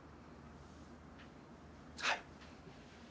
はい。